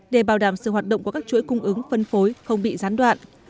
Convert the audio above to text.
để bảo đảm sự hoạt động của các chuỗi cung ứng phân phối không bị gián đoạn